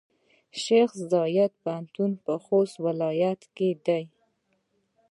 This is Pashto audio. شیخزاید پوهنتون پۀ خوست ولایت کې دی.